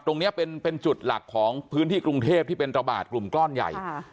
ตรงนี้เป็นจุดหลักของพื้นที่กรุงเทพที่เป็นระบาดกลุ่มก้อนใหญ่